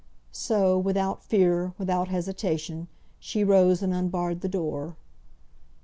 So, without fear, without hesitation, she rose and unbarred the door.